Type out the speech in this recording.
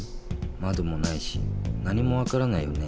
まどもないし何もわからないよね。